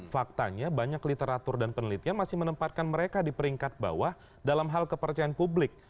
faktanya banyak literatur dan penelitian masih menempatkan mereka di peringkat bawah dalam hal kepercayaan publik